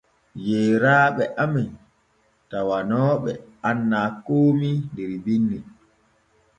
Yeyraaɓe amen tawanooɓe annaa koomi dow binni.